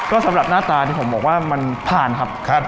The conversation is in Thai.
ก็สำหรับหน้าตาที่ผมบอกว่ามันผ่านครับ